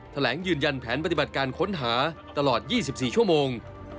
แถลงยืนยันแผนปฏิบัติการค้นหาตลอด๒๔ชั่วโมง